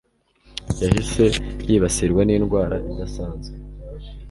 Yahise yibasirwa n'indwara idasanzwe.